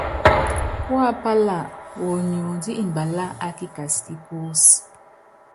Kuapála woniondí mbalá a kikas ki kúsí.